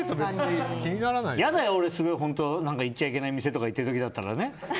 嫌だよ、行っちゃいけない店とか行ってる時だったらね。